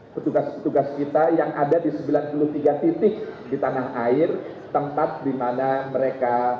petugas petugas kita yang ada di sembilan puluh tiga titik di tanah air tempat di mana mereka